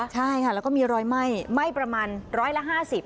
ใช่ค่ะแล้วก็มีรอยไหม้ไหม้ประมาณร้อยละ๕๐